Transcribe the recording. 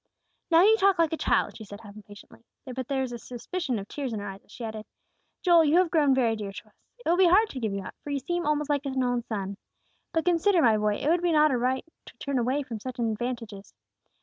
"Now you talk like a child," she answered, half impatiently; but there was a suspicion of tears in her eyes as she added, "Joel, you have grown very dear to us. It will be hard to give you up, for you seem almost like an own son. But consider, my boy; it would not be right to turn away from such advantages.